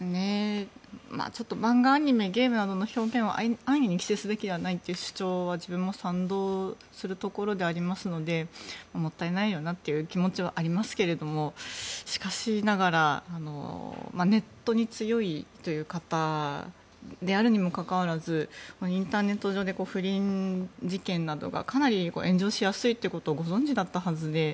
漫画、アニメゲームなどの表現を安易に規制すべきではないという主張は自分も賛同するところではありますのでもったいないよなという気持ちはありますけどもしかしながらネットに強いという方であるにもかかわらずインターネット上で不倫事件などがかなり炎上しやすいということをご存じだったはずで。